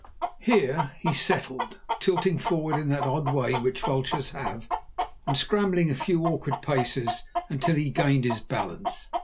Here he settled, tilting forward in that odd way which vultures have, and scrambling a few awkward paces until he gained his balance.